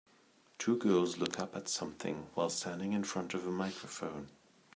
Two girls look up at something while standing in front of a microphone.